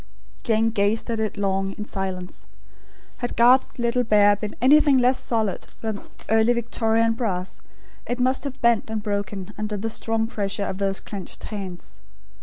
Jane gazed at it long, in silence. Had Garth's little bear been anything less solid than Early Victorian brass; it must have bent and broken under the strong pressure of those clenched hands.